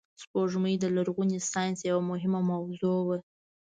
سپوږمۍ د لرغوني ساینس یوه مهمه موضوع وه